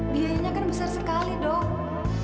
biayanya kan besar sekali dong